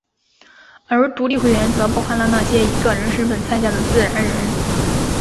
而独立会员则包含了那些以个人身份参加的自然人。